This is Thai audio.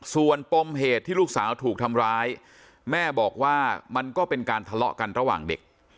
ส่วนปมเหตุที่ลูกสาวถูกทำร้ายแม่บอกว่ามันก็เป็นการทะเลาะกันระหว่างเด็ก